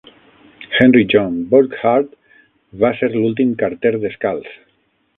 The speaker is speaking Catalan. Henry John Burkhardt va ser l'últim carter descalç.